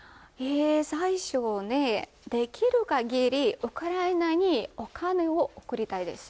最初、できるかぎり、ウクライナにお金を送りたいです。